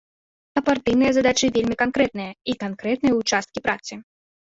А партыйныя задачы вельмі канкрэтныя, і канкрэтныя ўчасткі працы.